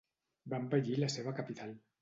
Va embellir la seva capital.